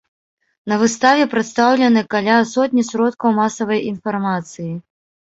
На выставе прадстаўлены каля сотні сродкаў масавай інфармацыі.